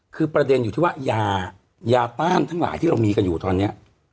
คือประเด็นอยู่ที่ว่ายายาต้านทั้งหลายที่เรามีกันอยู่ตอนนี้